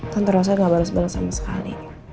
tante rosa gak bales bales sama sekali